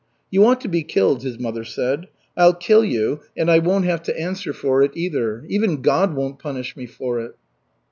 "You ought to be killed," his mother said. "I'll kill you, and I won't have to answer for it either. Even God won't punish me for it."